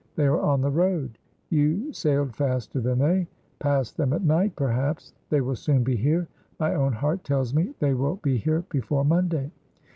They are on the road. You sailed faster than they; passed them at night, perhaps. They will soon be here. My own heart tells me they will be here before Monday.